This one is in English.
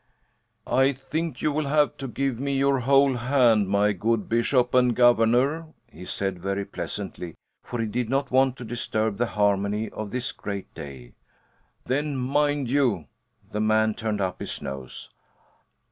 "I think you will have to give me your whole hand, my good Bishop and Governor," he said very pleasantly, for he did not want to disturb the harmony on this great day. Then, mind you, the man turned up his nose!